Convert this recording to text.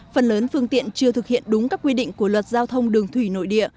phần lớn phương tiện chưa thực hiện đúng các quy định của luật giao thông đường thủy nội địa